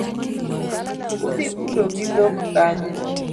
Udhi puro gi dhok kanye?